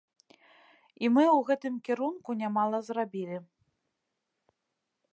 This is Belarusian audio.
І мы ў гэтым кірунку нямала зрабілі.